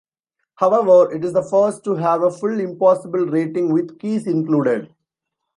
However, it is the first to have a full Impossible rating with keys included.